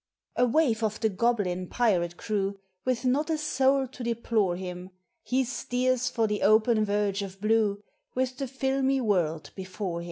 A waif of the goblin pirate crew, With not a soul to deplore him, He steers for the open verge of blue With the filmy world before him.